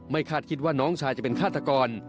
คาดคิดว่าน้องชายจะเป็นฆาตกร